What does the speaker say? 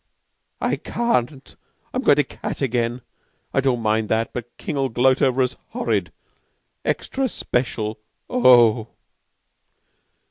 "I ca an't. I'm going to cat again... I don't mind that, but King'll gloat over us horrid. Extra special, ooh!"